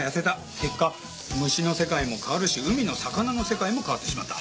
結果虫の世界も変わるし海の魚の世界も変わってしまった。